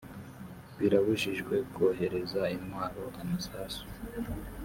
birabujijwe kohereza intwaro amasasu